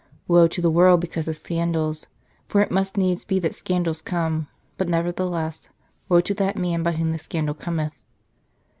" Woe to the world because of scandals ! For it must needs be that scandals come; but nevertheless, woe to that man by whom the scandal cometh."